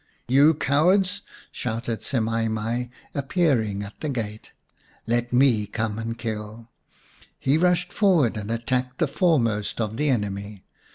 " You cowards !" shouted Semai mai, appearing at the gate. " Let me come and kill." He rushed forward and attacked the foremost of the enemy.